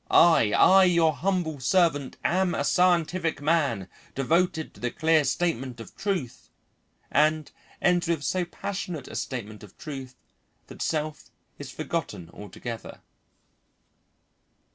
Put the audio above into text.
I, I your humble servant, am a scientific man, devoted to the clear statement of truth," and ends with so passionate a statement of truth that self is forgotten altogether.